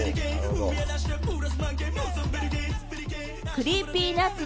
ＣｒｅｅｐｙＮｕｔｓ？